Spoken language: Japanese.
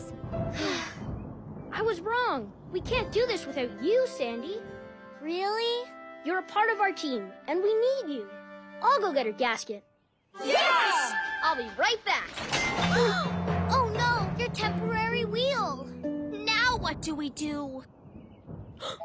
はっ！